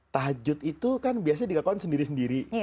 tahajud itu kan biasanya dilakukan sendiri sendiri